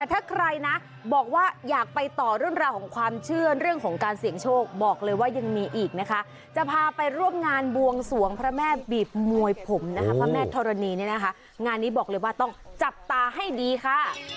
ถ้าใครนะบอกว่าอยากไปต่อเรื่องราวของความเชื่อเรื่องของการเสี่ยงโชคบอกเลยว่ายังมีอีกนะคะจะพาไปร่วมงานบวงสวงพระแม่บีบมวยผมนะคะพระแม่ธรณีเนี่ยนะคะงานนี้บอกเลยว่าต้องจับตาให้ดีค่ะ